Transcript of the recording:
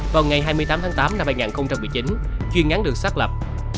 vào ngày hai mươi tám tháng tám năm hai nghìn một mươi chín chuyên án được xác lập